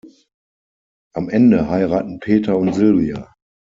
Am Ende heiraten Peter und Sylvia.